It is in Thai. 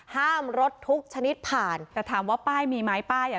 ห้ามรถทุกชนิดผ่านแต่ถามว่าป้ายมีไหมป้ายอ่ะ